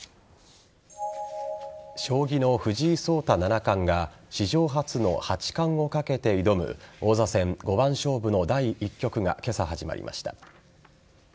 将棋の藤井聡太七冠が史上初の八冠をかけて挑む王座戦五番勝負の第１局が今朝、始まりました。